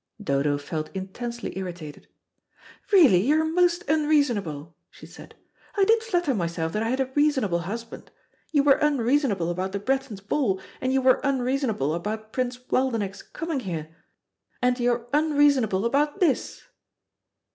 Dodo felt intensely irritated. "Really you are most unreasonable," she said. "I did flatter myself that I had a reasonable husband. You were unreasonable about the Brettons' ball, and you were unreasonable about Prince Waldenech's coming here, and you are unreasonable about this."